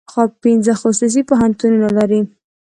پنځه خصوصي پوهنتونونه لري.